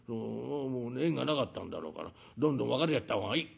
縁がなかったんだろうからどんどん別れちゃった方がいい。